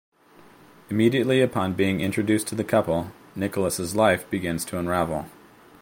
Immediately upon being introduced to the couple, Nicholas' life begins to unravel.